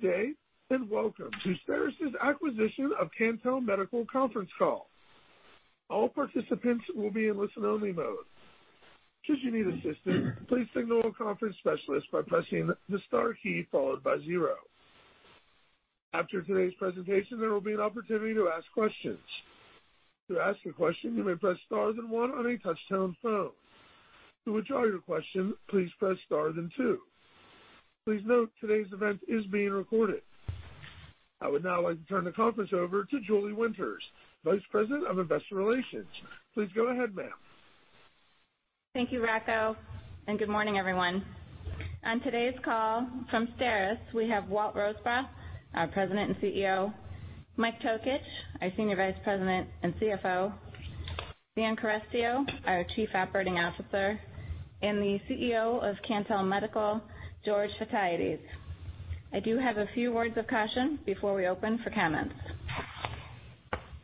Good day and welcome to STERIS' acquisition of Cantel Medical conference call. All participants will be in listen-only mode. Should you need assistance, please signal a conference specialist by pressing the star key followed by zero. After today's presentation, there will be an opportunity to ask questions. To ask a question, you may press star then one on a touch-tone phone. To withdraw your question, please press star then two. Please note today's event is being recorded. I would now like to turn the conference over to Julie Winter, Vice President of Investor Relations. Please go ahead, ma'am. Thank you, Rocco, and good morning, everyone. On today's call from STERIS, we have Walt Rosebrough, our President and CEO, Mike Tokich, our Senior Vice President and CFO, Dan Carestio, our Chief Operating Officer, and the CEO of Cantel Medical, George Fotiades. I do have a few words of caution before we open for comments.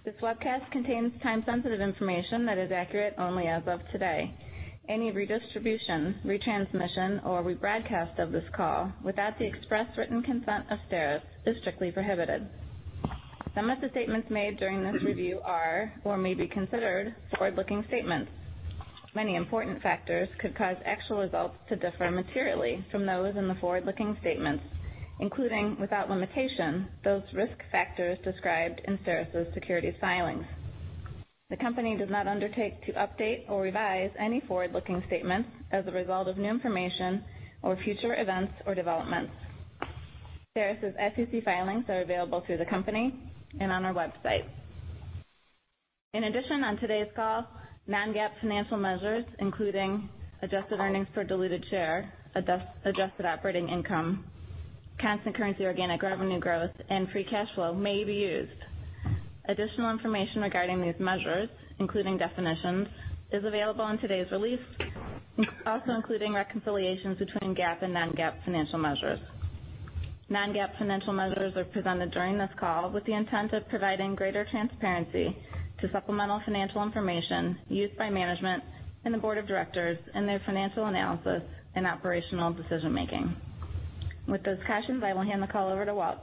This webcast contains time-sensitive information that is accurate only as of today. Any redistribution, retransmission, or rebroadcast of this call without the express written consent of STERIS is strictly prohibited. Some of the statements made during this review are or may be considered forward-looking statements. Many important factors could cause actual results to differ materially from those in the forward-looking statements, including without limitation those risk factors described in STERIS' securities filings. The company does not undertake to update or revise any forward-looking statements as a result of new information or future events or developments. STERIS' SEC filings are available through the company and on our website. In addition, on today's call, non-GAAP financial measures, including adjusted earnings per diluted share, adjusted operating income, constant currency organic revenue growth, and free cash flow, may be used. Additional information regarding these measures, including definitions, is available in today's release, also including reconciliations between GAAP and non-GAAP financial measures. Non-GAAP financial measures are presented during this call with the intent of providing greater transparency to supplemental financial information used by management and the board of directors in their financial analysis and operational decision-making. With those cautions, I will hand the call over to Walt.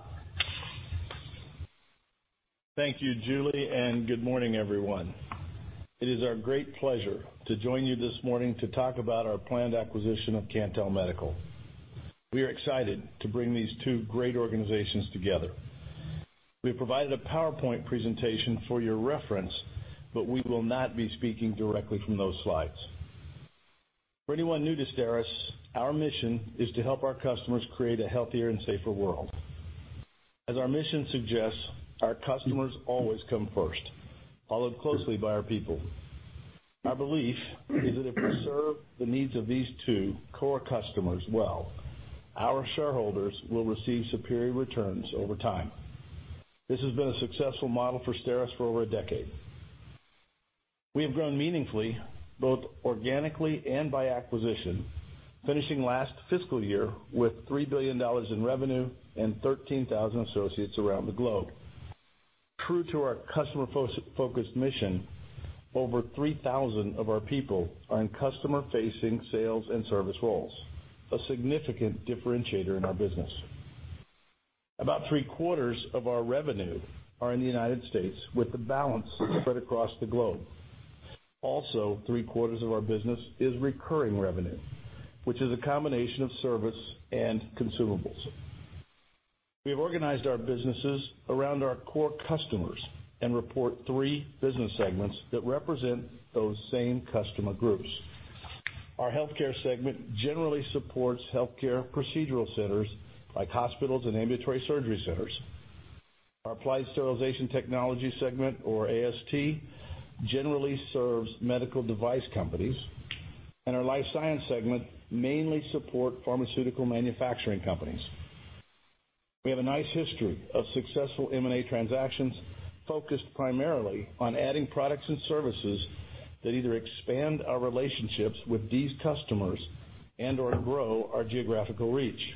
Thank you, Julie, and good morning, everyone. It is our great pleasure to join you this morning to talk about our planned acquisition of Cantel Medical. We are excited to bring these two great organizations together. We have provided a PowerPoint presentation for your reference, but we will not be speaking directly from those slides. For anyone new to STERIS, our mission is to help our customers create a healthier and safer world. As our mission suggests, our customers always come first, followed closely by our people. Our belief is that if we serve the needs of these two core customers well, our shareholders will receive superior returns over time. This has been a successful model for STERIS for over a decade. We have grown meaningfully both organically and by acquisition, finishing last fiscal year with $3 billion in revenue and 13,000 associates around the globe. True to our customer-focused mission, over 3,000 of our people are in customer-facing sales and service roles, a significant differentiator in our business. About three-quarters of our revenue are in the United States, with the balance spread across the globe. Also, three-quarters of our business is recurring revenue, which is a combination of service and consumables. We have organized our businesses around our core customers and report three business segments that represent those same customer groups. Our healthcare segment generally supports healthcare procedural centers like hospitals and ambulatory surgery centers. Our applied sterilization technology segment, or AST, generally serves medical device companies, and our life science segment mainly supports pharmaceutical manufacturing companies. We have a nice history of successful M&A transactions focused primarily on adding products and services that either expand our relationships with these customers and/or grow our geographical reach.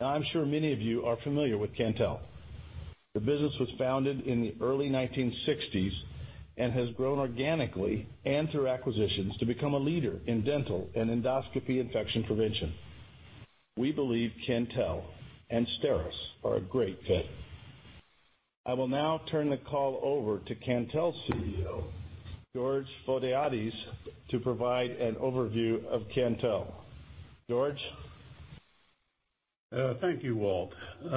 Now, I'm sure many of you are familiar with Cantel. The business was founded in the early 1960s and has grown organically and through acquisitions to become a leader in dental and endoscopy infection prevention. We believe Cantel and STERIS are a great fit. I will now turn the call over to Cantel's CEO, George Fotiades, to provide an overview of Cantel. George. Thank you, Walt.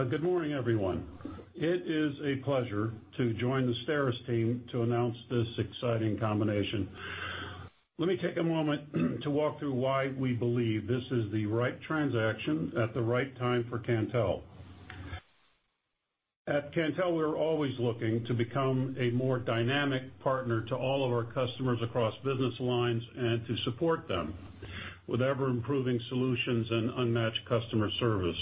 Good morning, everyone. It is a pleasure to join the STERIS team to announce this exciting combination. Let me take a moment to walk through why we believe this is the right transaction at the right time for Cantel. At Cantel, we're always looking to become a more dynamic partner to all of our customers across business lines and to support them with ever-improving solutions and unmatched customer service.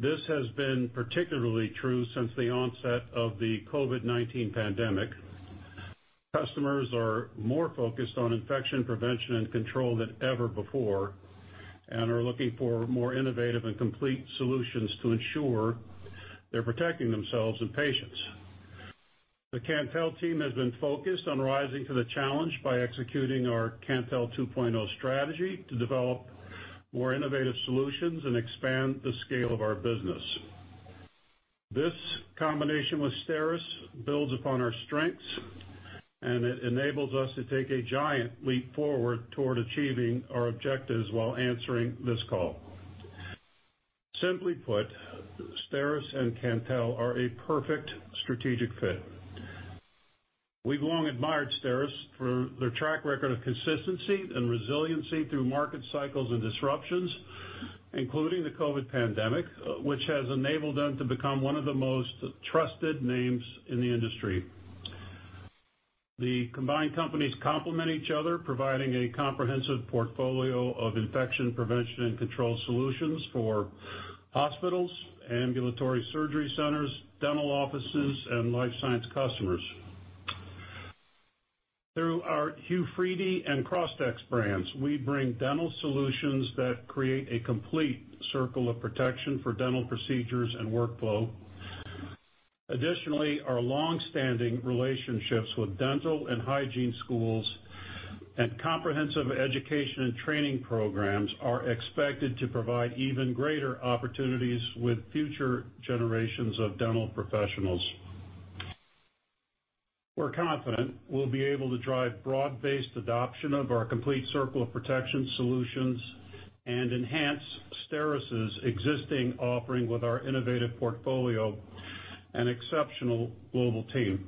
This has been particularly true since the onset of the COVID-19 pandemic. Customers are more focused on infection prevention and control than ever before and are looking for more innovative and complete solutions to ensure they're protecting themselves and patients. The Cantel team has been focused on rising to the challenge by executing our Cantel 2.0 strategy to develop more innovative solutions and expand the scale of our business. This combination with STERIS builds upon our strengths, and it enables us to take a giant leap forward toward achieving our objectives while answering this call. Simply put, STERIS and Cantel are a perfect strategic fit. We've long admired STERIS for their track record of consistency and resiliency through market cycles and disruptions, including the COVID pandemic, which has enabled them to become one of the most trusted names in the industry. The combined companies complement each other, providing a comprehensive portfolio of infection prevention and control solutions for hospitals, ambulatory surgery centers, dental offices, and life science customers. Through our Hu-Friedy and Crosstex brands, we bring dental solutions that create a complete circle of protection for dental procedures and workflow. Additionally, our longstanding relationships with dental and hygiene schools and comprehensive education and training programs are expected to provide even greater opportunities with future generations of dental professionals. We're confident we'll be able to drive broad-based adoption of our complete circle of protection solutions and enhance STERIS' existing offering with our innovative portfolio and exceptional global team.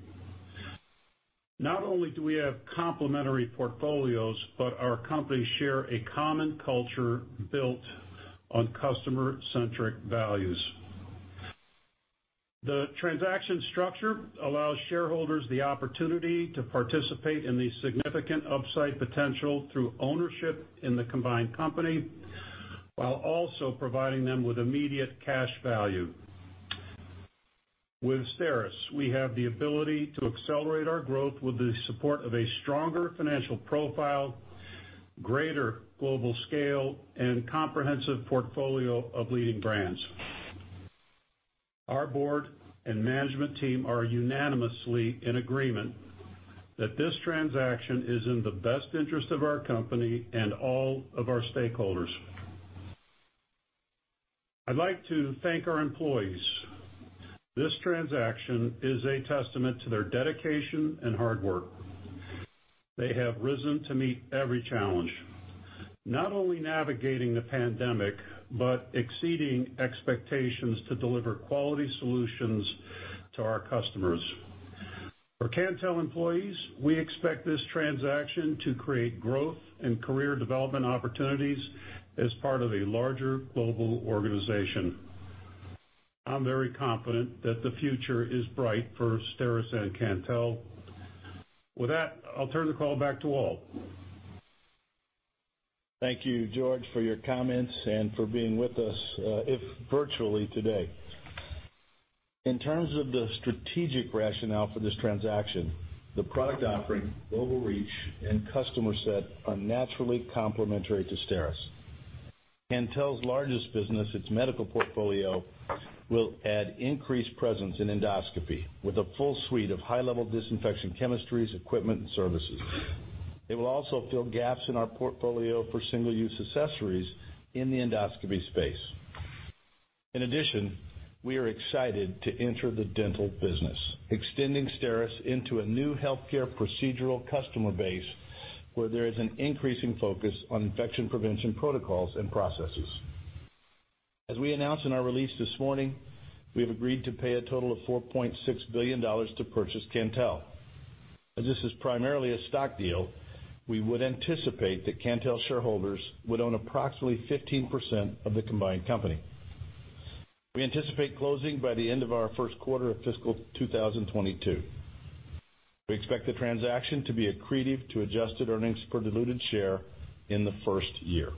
Not only do we have complementary portfolios, but our companies share a common culture built on customer-centric values. The transaction structure allows shareholders the opportunity to participate in the significant upside potential through ownership in the combined company, while also providing them with immediate cash value. With STERIS, we have the ability to accelerate our growth with the support of a stronger financial profile, greater global scale, and comprehensive portfolio of leading brands. Our board and management team are unanimously in agreement that this transaction is in the best interest of our company and all of our stakeholders. I'd like to thank our employees. This transaction is a testament to their dedication and hard work. They have risen to meet every challenge, not only navigating the pandemic but exceeding expectations to deliver quality solutions to our customers. For Cantel employees, we expect this transaction to create growth and career development opportunities as part of a larger global organization. I'm very confident that the future is bright for STERIS and Cantel. With that, I'll turn the call back to Walt. Thank you, George, for your comments and for being with us, if virtually, today. In terms of the strategic rationale for this transaction, the product offering, global reach, and customer set are naturally complementary to STERIS. Cantel's largest business, its medical portfolio, will add increased presence in endoscopy with a full suite of high-level disinfection chemistries, equipment, and services. It will also fill gaps in our portfolio for single-use accessories in the endoscopy space. In addition, we are excited to enter the dental business, extending STERIS into a new healthcare procedural customer base where there is an increasing focus on infection prevention protocols and processes. As we announced in our release this morning, we have agreed to pay a total of $4.6 billion to purchase Cantel. As this is primarily a stock deal, we would anticipate that Cantel's shareholders would own approximately 15% of the combined company. We anticipate closing by the end of our first quarter of fiscal 2022. We expect the transaction to be accretive to adjusted earnings per diluted share in the first year.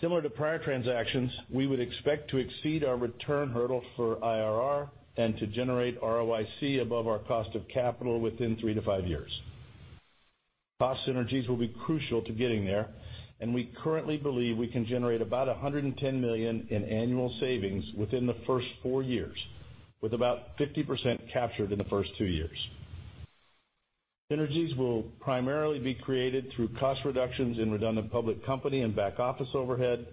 Similar to prior transactions, we would expect to exceed our return hurdle for IRR and to generate ROIC above our cost of capital within three- to five years. Cost synergies will be crucial to getting there, and we currently believe we can generate about $110 million in annual savings within the first four years, with about 50% captured in the first two years. Synergies will primarily be created through cost reductions in redundant public company and back office overhead,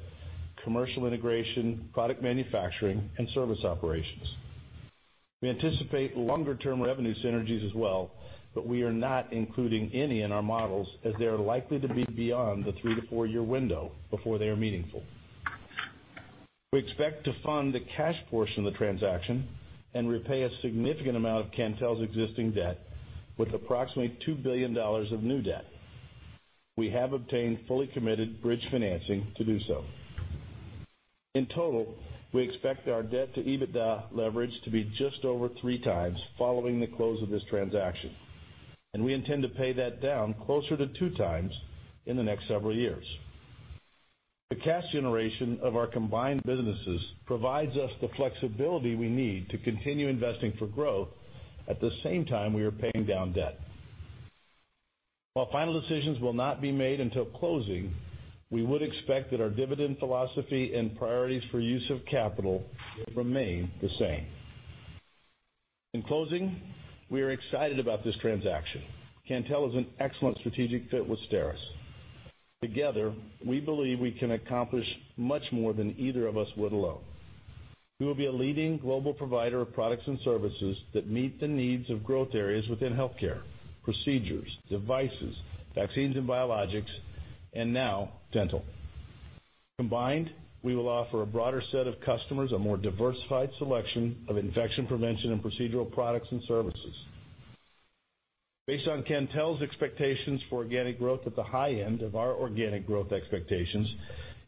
commercial integration, product manufacturing, and service operations. We anticipate longer-term revenue synergies as well, but we are not including any in our models as they are likely to be beyond the three- to four-year window before they are meaningful. We expect to fund the cash portion of the transaction and repay a significant amount of Cantel's existing debt with approximately $2 billion of new debt. We have obtained fully committed bridge financing to do so. In total, we expect our debt-to-EBITDA leverage to be just over three times following the close of this transaction, and we intend to pay that down closer to two times in the next several years. The cash generation of our combined businesses provides us the flexibility we need to continue investing for growth at the same time we are paying down debt. While final decisions will not be made until closing, we would expect that our dividend philosophy and priorities for use of capital will remain the same. In closing, we are excited about this transaction. Cantel is an excellent strategic fit with STERIS. Together, we believe we can accomplish much more than either of us would alone. We will be a leading global provider of products and services that meet the needs of growth areas within healthcare, procedures, devices, vaccines, and biologics, and now dental. Combined, we will offer a broader set of customers, a more diversified selection of infection prevention and procedural products and services. Based on Cantel's expectations for organic growth at the high end of our organic growth expectations,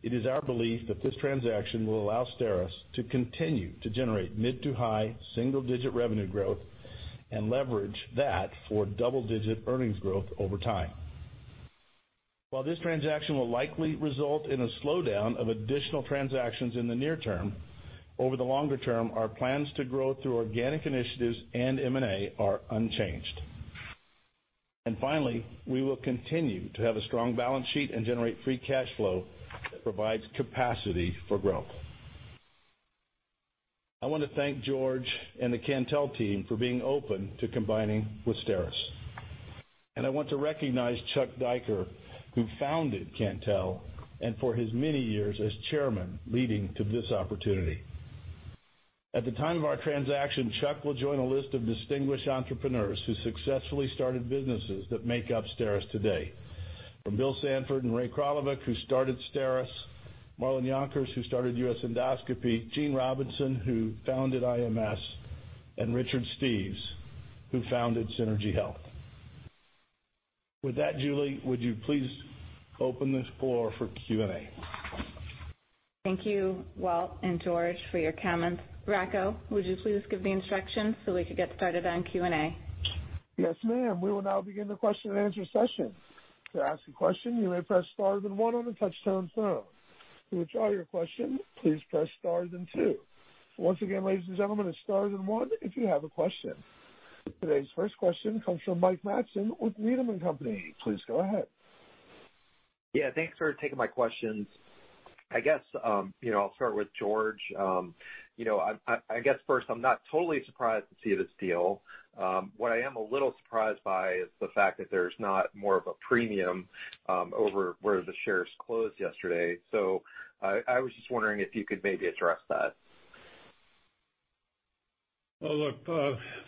it is our belief that this transaction will allow STERIS to continue to generate mid to high single-digit revenue growth and leverage that for double-digit earnings growth over time. While this transaction will likely result in a slowdown of additional transactions in the near term, over the longer term, our plans to grow through organic initiatives and M&A are unchanged. Finally, we will continue to have a strong balance sheet and generate free cash flow that provides capacity for growth. I want to thank George and the Cantel team for being open to combining with STERIS. I want to recognize Chuck Diker, who founded Cantel and for his many years as chairman leading to this opportunity. At the time of our transaction, Chuck will join a list of distinguished entrepreneurs who successfully started businesses that make up STERIS today, from Bill Sanford and Ray Kralovic, who started STERIS, Marlin Junker, who started US Endoscopy, Gene Robinson, who founded IMS, and Richard Steeves, who founded Synergy Health. With that, Julie, would you please open the floor for Q&A? Thank you, Walt and George, for your comments. Rocco, would you please give the instructions so we could get started on Q&A? Yes, ma'am. We will now begin the question-and-answer session. To ask a question, you may press star and one on the touch-tone phone. To withdraw your question, please press star and two. Once again, ladies and gentlemen, it's star and one if you have a question. Today's first question comes from Mike Matson with Needham & Company. Please go ahead. Yeah, thanks for taking my questions. I guess I'll start with George. I guess first, I'm not totally surprised to see this deal. What I am a little surprised by is the fact that there's not more of a premium over where the shares closed yesterday. So I was just wondering if you could maybe address that. Look,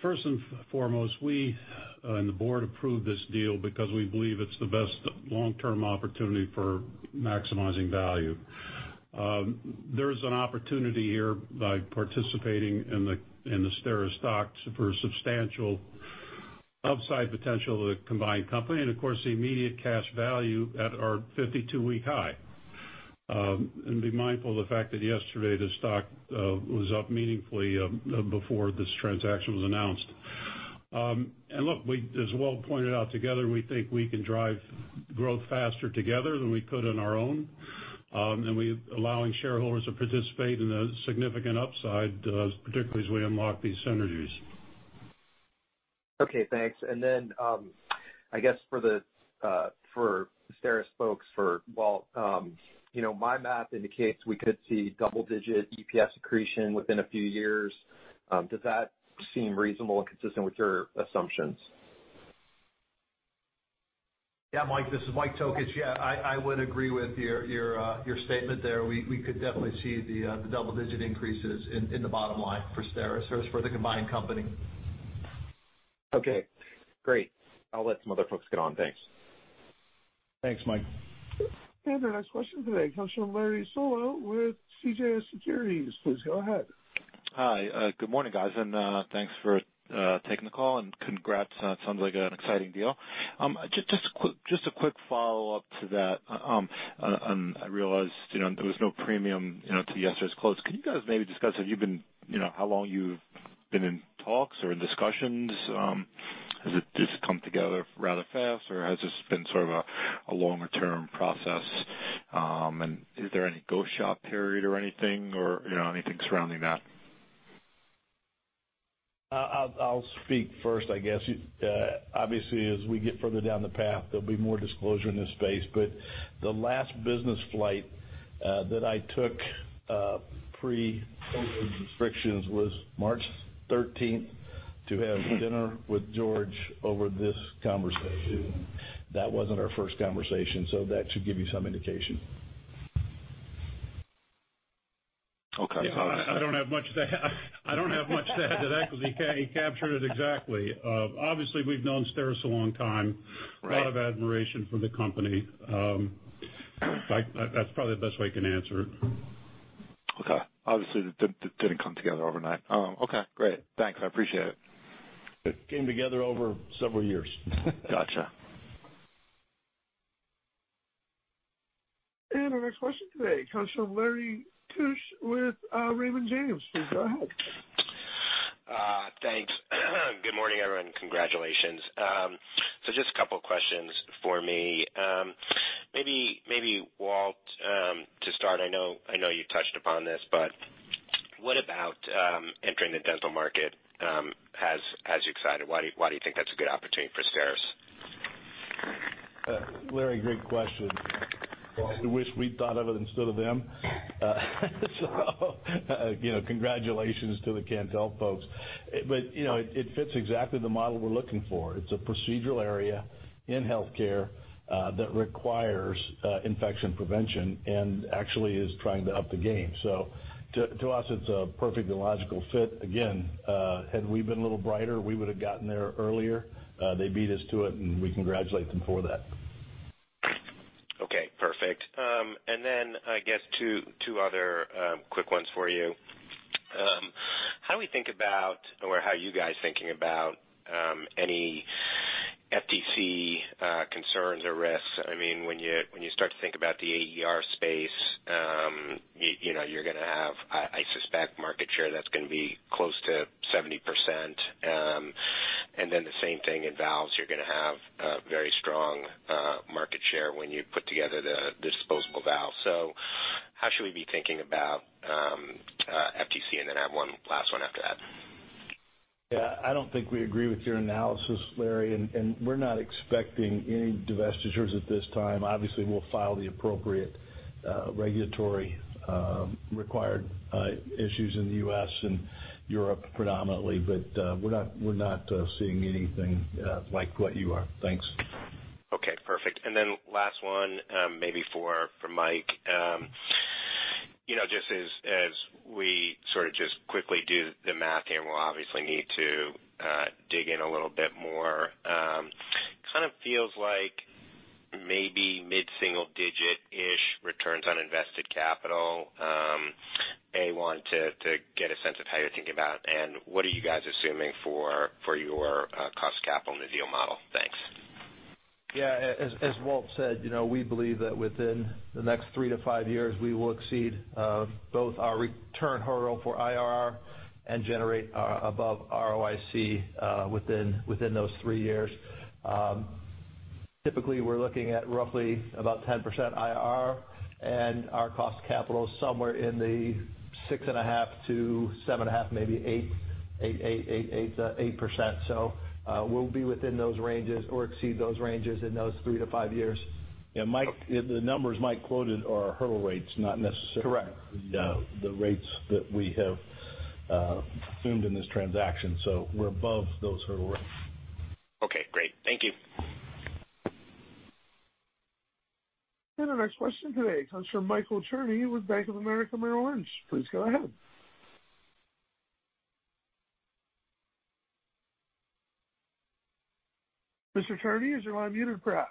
first and foremost, we and the board approved this deal because we believe it's the best long-term opportunity for maximizing value. There is an opportunity here by participating in the STERIS stock for substantial upside potential of the combined company and, of course, the immediate cash value at our 52-week high. Be mindful of the fact that yesterday the stock was up meaningfully before this transaction was announced. Look, as Walt pointed out together, we think we can drive growth faster together than we could on our own. We're allowing shareholders to participate in a significant upside, particularly as we unlock these synergies. Okay, thanks. And then I guess for the STERIS folks, for Walt, my math indicates we could see double-digit EPS accretion within a few years. Does that seem reasonable and consistent with your assumptions? Yeah, Mike, this is Mike Tokich. Yeah, I would agree with your statement there. We could definitely see the double-digit increases in the bottom line for STERIS or for the combined company. Okay, great. I'll let some other folks get on. Thanks. Thanks, Mike. Our next question today comes from Larry Solow with CJS Securities. Please go ahead. Hi, good morning, guys. Thanks for taking the call and congrats. It sounds like an exciting deal. Just a quick follow-up to that. I realized there was no premium to yesterday's close. Can you guys maybe discuss how long you've been in talks or in discussions? Has this come together rather fast, or has this been sort of a longer-term process? Is there any go-shop period or anything surrounding that? I'll speak first, I guess. Obviously, as we get further down the path, there'll be more disclosure in this space. But the last business flight that I took pre-COVID restrictions was March 13th to have dinner with George over this conversation. That wasn't our first conversation, so that should give you some indication. Okay. I don't have much to add to that because he captured it exactly. Obviously, we've known STERIS a long time. A lot of admiration for the company. That's probably the best way you can answer it. Okay. Obviously, it didn't come together overnight. Okay, great. Thanks. I appreciate it. It came together over several years. Gotcha. Our next question today comes from Larry Keusch with Raymond James. Please go ahead. Thanks. Good morning, everyone. Congratulations. So just a couple of questions for me. Maybe, Walt, to start, I know you touched upon this, but what about entering the dental market has you excited? Why do you think that's a good opportunity for STERIS? Larry, great question. I wish we'd thought of it instead of them. So congratulations to the Cantel folks. But it fits exactly the model we're looking for. It's a procedural area in healthcare that requires infection prevention and actually is trying to up the game. So to us, it's a perfect and logical fit. Again, had we been a little brighter, we would have gotten there earlier. They beat us to it, and we congratulate them for that. Okay, perfect. And then I guess two other quick ones for you. How do we think about or how are you guys thinking about any FTC concerns or risks? I mean, when you start to think about the AER space, you're going to have, I suspect, market share that's going to be close to 70%. And then the same thing in valves. You're going to have a very strong market share when you put together the disposable valve. So how should we be thinking about FTC? And then I have one last one after that. Yeah, I don't think we agree with your analysis, Larry. And we're not expecting any divestitures at this time. Obviously, we'll file the appropriate regulatory required filings in the U.S. and Europe predominantly, but we're not seeing anything like what you are. Thanks. Okay, perfect. And then last one, maybe for Mike, just as we sort of just quickly do the math here, we'll obviously need to dig in a little bit more. Kind of feels like maybe mid-single-digit-ish returns on invested capital. A, wanted to get a sense of how you're thinking about it. And what are you guys assuming for your cost capital in the deal model? Thanks. Yeah, as Walt said, we believe that within the next three to five years, we will exceed both our return hurdle for IRR and generate above ROIC within those three years. Typically, we're looking at roughly about 10% IRR and our cost capital somewhere in the six and a half to seven and a half, maybe 8%. So we'll be within those ranges or exceed those ranges in those three to five years. Yeah, Mike, the numbers Mike quoted are hurdle rates, not necessarily the rates that we have assumed in this transaction. So we're above those hurdle rates. Okay, great. Thank you. Our next question today comes from Michael Cherny with Bank of America Merrill Lynch. Please go ahead. Mr. Cherny, is your line muted perhaps?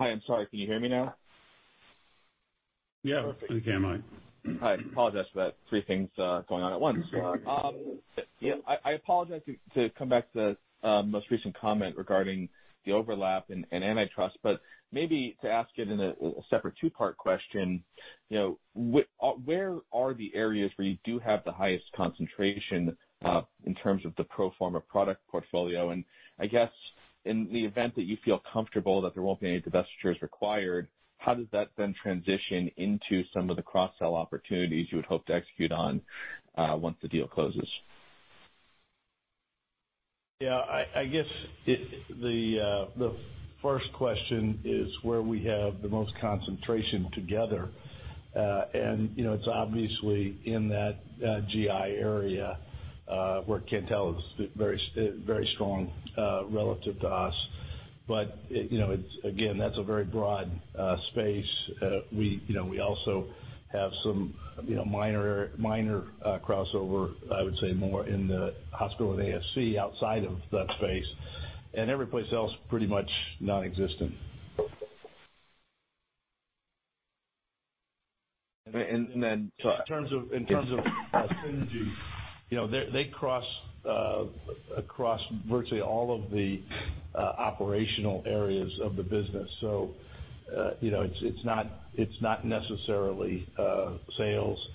Hi, I'm sorry. Can you hear me now? Yeah, we can, Mike. Hi. Apologize for that. Three things going on at once. Yeah, I apologize to come back to the most recent comment regarding the overlap and antitrust, but maybe to ask it in a separate two-part question, where are the areas where you do have the highest concentration in terms of the pro forma product portfolio? And I guess in the event that you feel comfortable that there won't be any divestitures required, how does that then transition into some of the cross-sell opportunities you would hope to execute on once the deal closes? Yeah, I guess the first question is where we have the most concentration together. And it's obviously in that GI area where Cantel Then in terms of synergy, they cross across virtually all of the operational areas of the business. So it's not necessarily sales.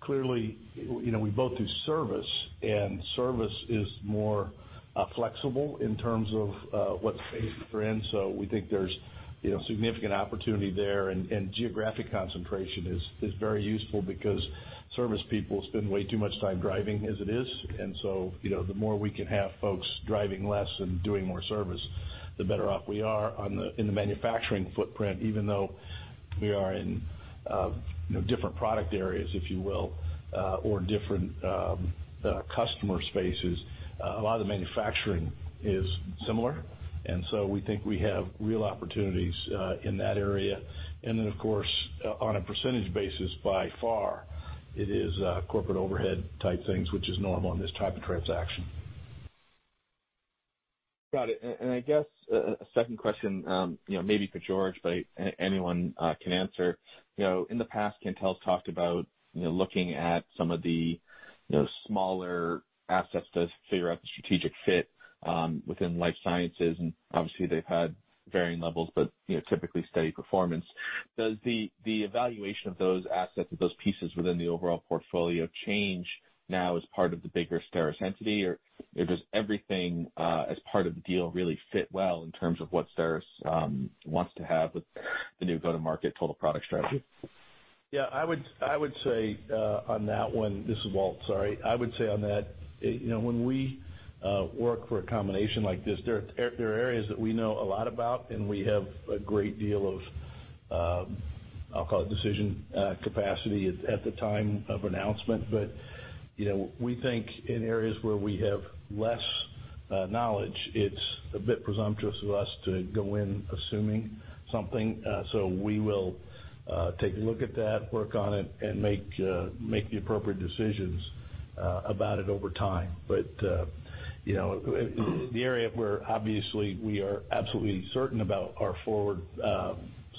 Clearly, we both do service, and service is more flexible in terms of what space we're in. So we think there's significant opportunity there. And geographic concentration is very useful because service people spend way too much time driving as it is. And so the more we can have folks driving less and doing more service, the better off we are in the manufacturing footprint, even though we are in different product areas, if you will, or different customer spaces. A lot of the manufacturing is similar. And so we think we have real opportunities in that area. And then, of course, on a percentage basis, by far, it is corporate overhead type things, which is normal in this type of transaction. Got it. And I guess a second question, maybe for George, but anyone can answer. In the past, Cantel has talked about looking at some of the smaller assets to figure out the strategic fit within life sciences. And obviously, they've had varying levels, but typically steady performance. Does the evaluation of those assets, of those pieces within the overall portfolio, change now as part of the bigger STERIS entity, or does everything as part of the deal really fit well in terms of what STERIS wants to have with the new go-to-market total product strategy? Yeah, I would say on that one, this is Walt, sorry, I would say on that, when we work for a combination like this, there are areas that we know a lot about, and we have a great deal of, I'll call it, decision capacity at the time of announcement. But we think in areas where we have less knowledge, it's a bit presumptuous of us to go in assuming something. So we will take a look at that, work on it, and make the appropriate decisions about it over time. But the area where obviously we are absolutely certain about our forward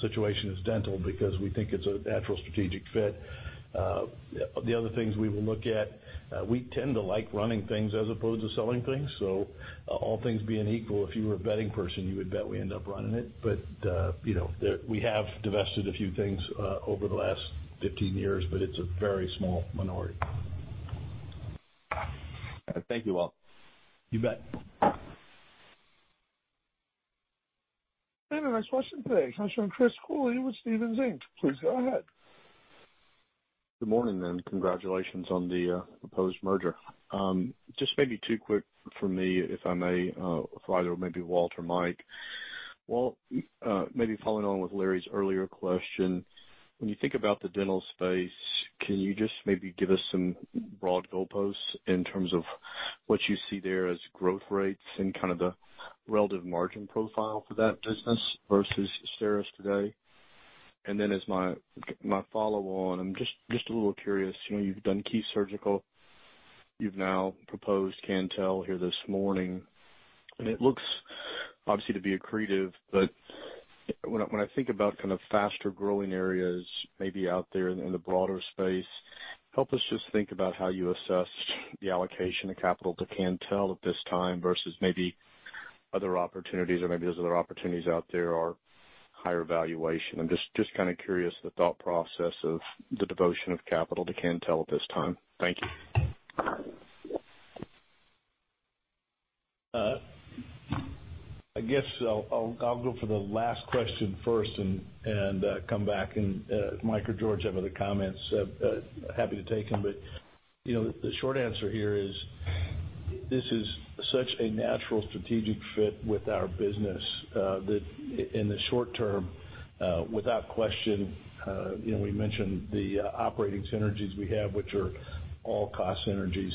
situation is dental because we think it's a natural strategic fit. The other things we will look at, we tend to like running things as opposed to selling things. So all things being equal, if you were a betting person, you would bet we end up running it. But we have divested a few things over the last 15 years, but it's a very small minority. Thank you, Walt. You bet. Our next question today comes from Chris Cooley with Stephens Inc. Please go ahead. Good morning, and congratulations on the proposed merger. Just maybe two quick for me, if I may, for either maybe Walt or Mike. Well, maybe following on with Larry's earlier question, when you think about the dental space, can you just maybe give us some broad goalposts in terms of what you see there as growth rates and kind of the relative margin profile for that business versus STERIS today? And then as my follow-on, I'm just a little curious. You've done Key Surgical. You've now proposed Cantel here this morning. And it looks obviously to be accretive, but when I think about kind of faster growing areas maybe out there in the broader space, help us just think about how you assessed the allocation of capital to Cantel at this time versus maybe other opportunities, or maybe those other opportunities out there are higher valuation? I'm just kind of curious the thought process of the devotion of capital to Cantel at this time? Thank you. I guess I'll go for the last question first and come back. And Mike or George have other comments. Happy to take them. But the short answer here is this is such a natural strategic fit with our business that in the short term, without question, we mentioned the operating synergies we have, which are all cost synergies.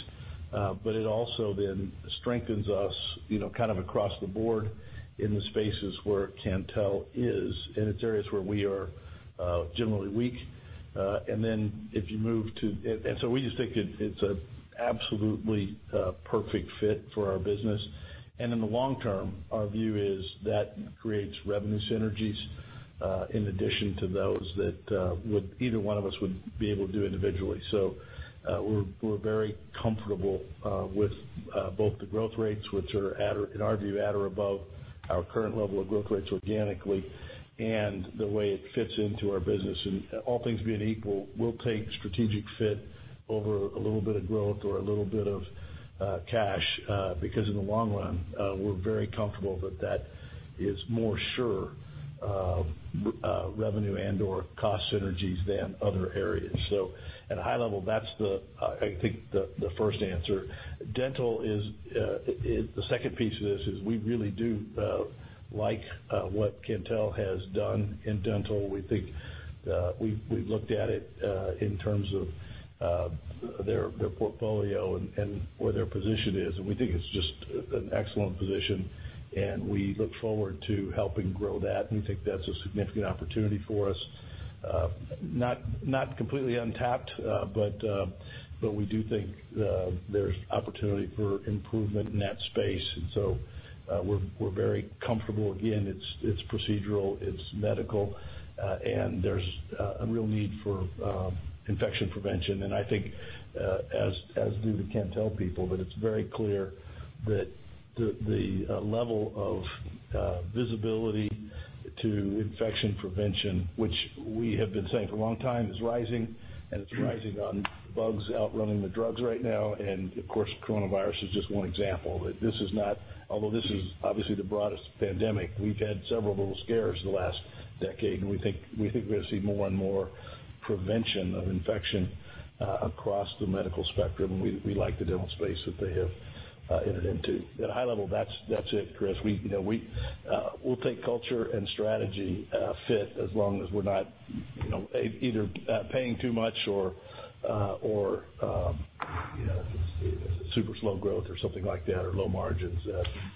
But it also then strengthens us kind of across the board in the spaces where Cantel is in its areas where we are generally weak. And then if you move to, and so we just think it's an absolutely perfect fit for our business. And in the long term, our view is that creates revenue synergies in addition to those that either one of us would be able to do individually. So we're very comfortable with both the growth rates, which are in our view, at or above our current level of growth rates organically, and the way it fits into our business. And all things being equal, we'll take strategic fit over a little bit of growth or a little bit of cash because in the long run, we're very comfortable that that is more sure revenue and/or cost synergies than other areas. So at a high level, that's the, I think, the first answer. Dental is the second piece of this is we really do like what Cantel has done in dental. We think we've looked at it in terms of their portfolio and where their position is. And we think it's just an excellent position. And we look forward to helping grow that. And we think that's a significant opportunity for us. Not completely untapped, but we do think there's opportunity for improvement in that space. And so we're very comfortable. Again, it's procedural. It's medical. And there's a real need for infection prevention. And I think, as do the Cantel people, that it's very clear that the level of visibility to infection prevention, which we have been saying for a long time, is rising. And it's rising on bugs outrunning the drugs right now. And of course, coronavirus is just one example. Although this is obviously the broadest pandemic, we've had several little scares the last decade. And we think we're going to see more and more prevention of infection across the medical spectrum. We like the dental space that they have entered into. At a high level, that's it, Chris. We'll take culture and strategy fit as long as we're not either paying too much or super slow growth or something like that or low margins.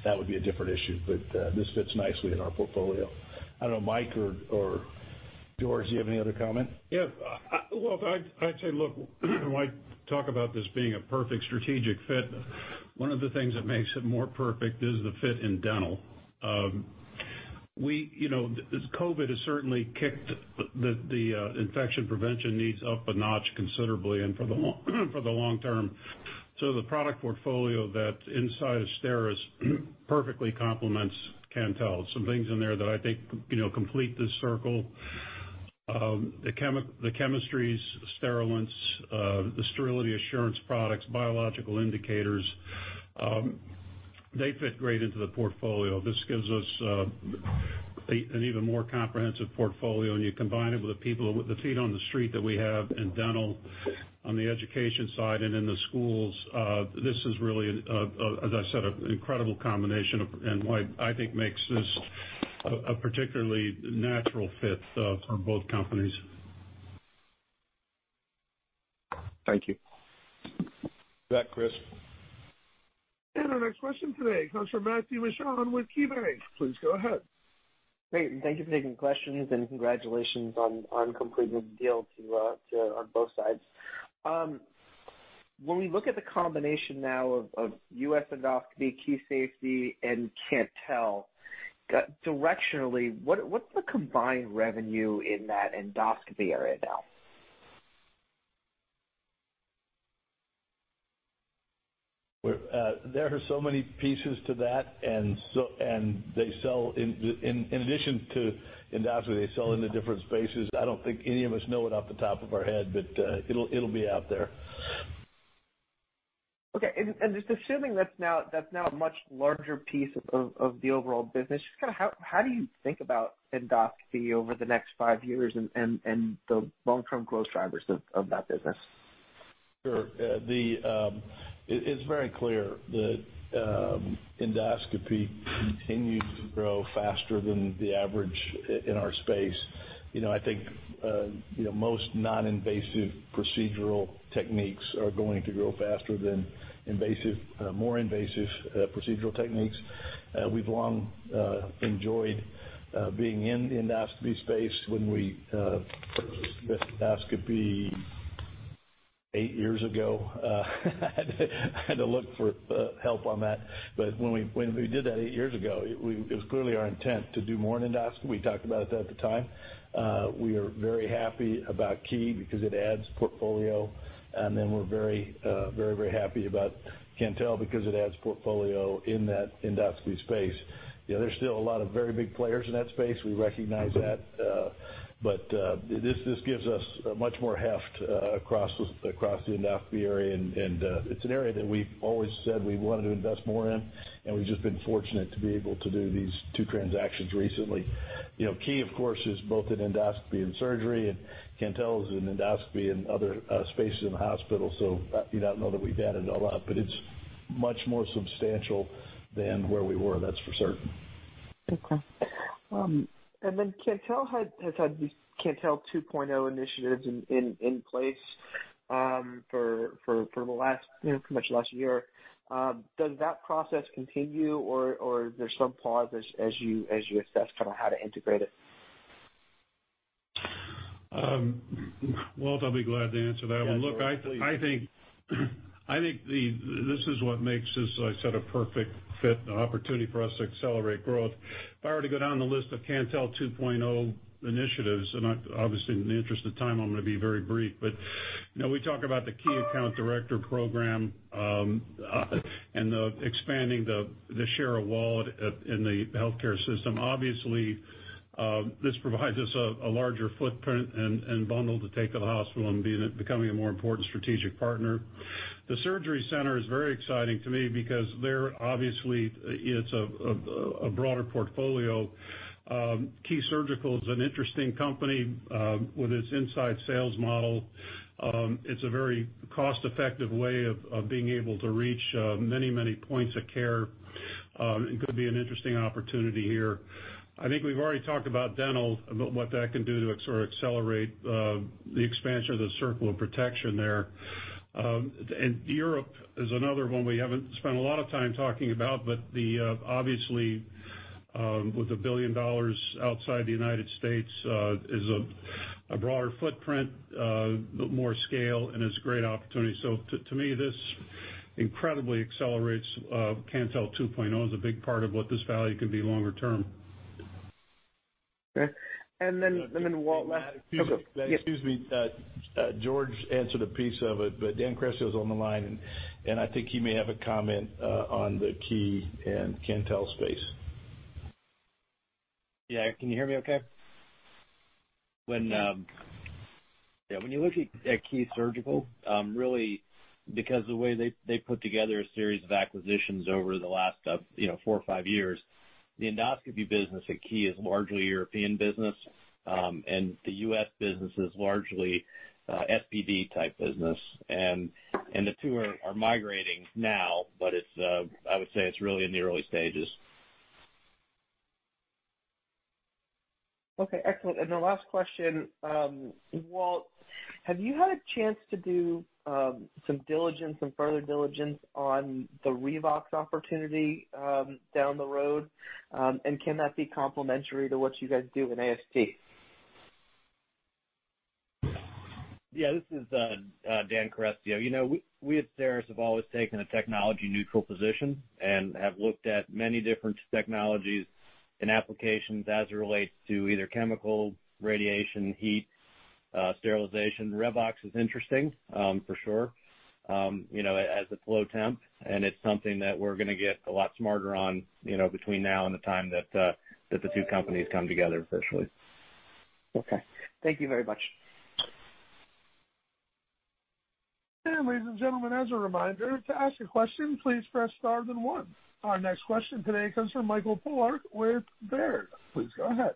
That would be a different issue. But this fits nicely in our portfolio. I don't know, Mike or George, do you have any other comment? Yeah. Well, I'd say, look, when I talk about this being a perfect strategic fit, one of the things that makes it more perfect is the fit in dental. COVID has certainly kicked the infection prevention needs up a notch considerably and for the long term. So the product portfolio that's inside of STERIS perfectly complements Cantel. Some things in there that I think complete the circle: the chemistries, sterilants, the sterility assurance products, biological indicators. They fit great into the portfolio. This gives us an even more comprehensive portfolio. And you combine it with the people with the feet on the street that we have in dental, on the education side, and in the schools, this is really, as I said, an incredible combination. And what I think makes this a particularly natural fit for both companies. Thank you. That, Chris. Our next question today comes from Matthew Mishan with KeyBanc. Please go ahead. Thank you for taking the questions. And congratulations on completing the deal on both sides. When we look at the combination now of US Endoscopy, Key Surgical, and Cantel, directionally, what's the combined revenue in that endoscopy area now? There are so many pieces to that, and in addition to endoscopy, they sell in the different spaces. I don't think any of us know it off the top of our head, but it'll be out there. Okay, and just assuming that's now a much larger piece of the overall business, just kind of how do you think about endoscopy over the next five years and the long-term growth drivers of that business? Sure. It's very clear that endoscopy continues to grow faster than the average in our space. I think most non-invasive procedural techniques are going to grow faster than more invasive procedural techniques. We've long enjoyed being in the endoscopy space. When we purchased endoscopy eight years ago, I had to look for help on that. But when we did that eight years ago, it was clearly our intent to do more in endoscopy. We talked about it at the time. We are very happy about Key because it adds portfolio. And then we're very, very, very happy about Cantel because it adds portfolio in that endoscopy space. There's still a lot of very big players in that space. We recognize that. But this gives us much more heft across the endoscopy area. And it's an area that we've always said we wanted to invest more in. We've just been fortunate to be able to do these two transactions recently. Key, of course, is both in endoscopy and surgery. Cantel is in endoscopy and other spaces in the hospital. You don't know that we've added a lot. It's much more substantial than where we were. That's for certain. Okay. And then Cantel has had these Cantel 2.0 initiatives in place for pretty much the last year. Does that process continue, or is there some pause as you assess kind of how to integrate it? Walt will be glad to answer that one. Look, I think this is what makes this, like I said, a perfect fit and opportunity for us to accelerate growth. If I were to go down the list of Cantel 2.0 initiatives, and obviously, in the interest of time, I'm going to be very brief. But we talk about the Key Account Director program and expanding the share of wallet in the healthcare system. Obviously, this provides us a larger footprint and bundle to take to the hospital and becoming a more important strategic partner. The surgery center is very exciting to me because there, obviously, it's a broader portfolio. Key Surgical is an interesting company with its inside sales model. It's a very cost-effective way of being able to reach many, many points of care. It could be an interesting opportunity here. I think we've already talked about dental, about what that can do to sort of accelerate the expansion of the circle of protection there, and Europe is another one we haven't spent a lot of time talking about, but obviously, with $1 billion outside the United States, it's a broader footprint, more scale, and it's a great opportunity, so to me, this incredibly accelerates Cantel 2.0. It's a big part of what this value can be longer term. Okay. And then Walt left. Excuse me. George answered a piece of it, but Dan Carestio is on the line, and I think he may have a comment on the Key and Cantel space. Yeah. Can you hear me okay? Yeah. When you look at Key Surgical, really, because of the way they put together a series of acquisitions over the last four or five years, the endoscopy business at Key is largely a European business. And the US business is largely an SPD-type business. And the two are migrating now. But I would say it's really in the early stages. Okay. Excellent. And the last question, Walt, have you had a chance to do some diligence, some further diligence on the Revox opportunity down the road? And can that be complementary to what you guys do in AST? Yeah. This is Dan Carestio. We at STERIS have always taken a technology-neutral position and have looked at many different technologies and applications as it relates to either chemical, radiation, heat, sterilization. Revox is interesting, for sure, as a low temp, and it's something that we're going to get a lot smarter on between now and the time that the two companies come together officially. Okay. Thank you very much. And ladies and gentlemen, as a reminder, to ask a question, please press star then one. Our next question today comes from Mike Polark with Baird. Please go ahead.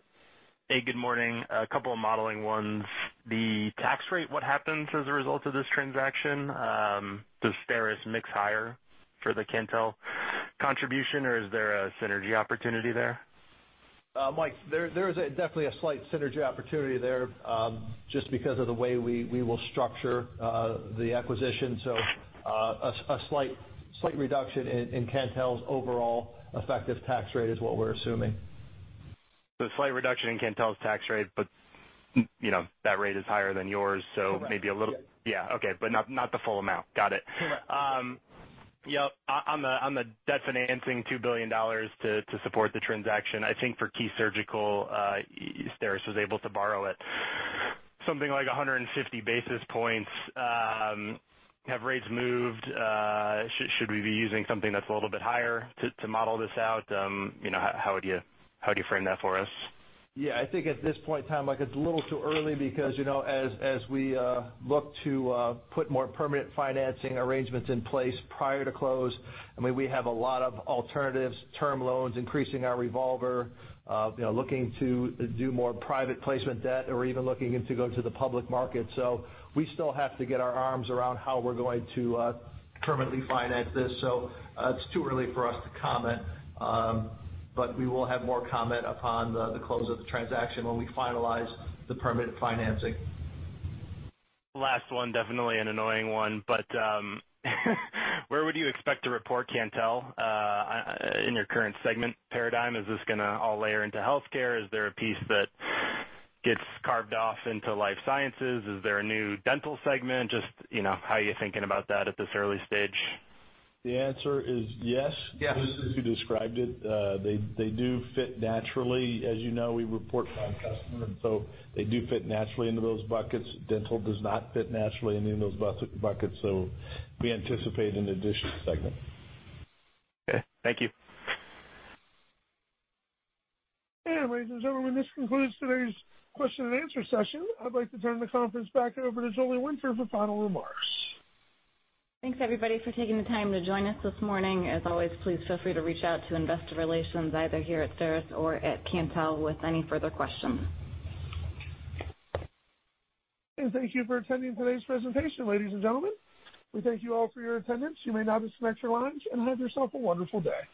Hey. Good morning. A couple of modeling ones. The tax rate, what happens as a result of this transaction? Does STERIS mix higher for the Cantel contribution, or is there a synergy opportunity there? Mike, there is definitely a slight synergy opportunity there just because of the way we will structure the acquisition. So a slight reduction in Cantel's overall effective tax rate is what we're assuming. So a slight reduction in Cantel's tax rate, but that rate is higher than yours. So maybe a little. Correct. Yeah. Okay. But not the full amount. Got it. Yep. In the debt financing $2 billion to support the transaction. I think for Key Surgical, STERIS was able to borrow at something like 150 basis points. Have rates moved? Should we be using something that's a little bit higher to model this out? How would you frame that for us? Yeah. I think at this point in time, Mike, it's a little too early because as we look to put more permanent financing arrangements in place prior to close. I mean, we have a lot of alternatives, term loans, increasing our revolver, looking to do more private placement debt, or even looking to go to the public market. So we still have to get our arms around how we're going to permanently finance this. So it's too early for us to comment. But we will have more comment upon the close of the transaction when we finalize the permanent financing. Last one, definitely an annoying one. But where would you expect to report Cantel in your current segment paradigm? Is this going to all layer into healthcare? Is there a piece that gets carved off into life sciences? Is there a new dental segment? Just how are you thinking about that at this early stage? The answer is yes. Yes. Just as you described it, they do fit naturally. As you know, we report on customers, and so they do fit naturally into those buckets. Dental does not fit naturally into those buckets. So we anticipate an additional segment. Okay. Thank you. Ladies and gentlemen, this concludes today's question and answer session. I'd like to turn the conference back over to Julie Winter for final remarks. Thanks, everybody, for taking the time to join us this morning. As always, please feel free to reach out to Investor Relations, either here at STERIS or at Cantel with any further questions. Thank you for attending today's presentation, ladies and gentlemen. We thank you all for your attendance. You may now disconnect your lines and have yourself a wonderful day.